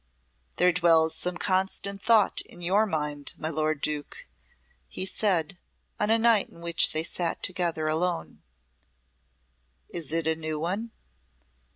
"There dwells some constant thought in your mind, my lord Duke," he said, on a night in which they sate together alone. "Is it a new one?"